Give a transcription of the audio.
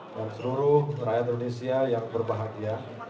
dan seluruh rakyat indonesia yang berbahagia